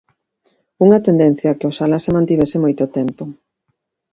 Unha tendencia que oxalá se mantivese moito tempo.